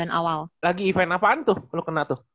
itu lagi event apaan tuh lu kena tuh